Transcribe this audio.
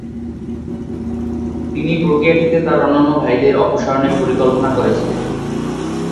তিনি প্রক্রিয়াটিতে তাঁর অন্যান্য ভাইদের অপসারণের পরিকল্পনা করেছিলেন।